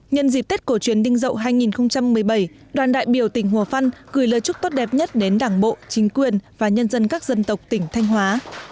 nhân dịp tết cổ truyền đinh dậu hai nghìn một mươi bảy đoàn đại biểu tỉnh hồ văn gửi lời chúc tốt đẹp nhất đến đảng bộ chính quyền và nhân dân các dân tộc tỉnh thanh hóa